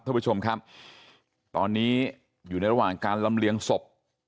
ท่านผู้ชมครับตอนนี้อยู่ในระหว่างการลำเลียงศพ